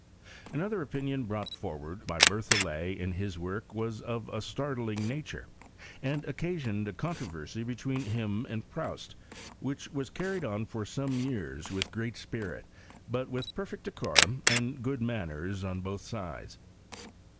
Another opinion brought forward by Berthollet iff /lis work was of a startling nature, and occasioned a controversy between him and Proust which was carried on for some years with great spirit, but with perfect decorum and good manners on both sides.